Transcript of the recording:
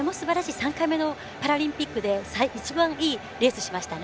３回目のパラリンピックで一番いいレースしましたね。